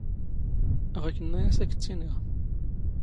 ⵖⵉⴽⵏⵏⴰ ⴰ ⵙ ⴰⴽ ⵜⵜⵉⵏⵉⵖ.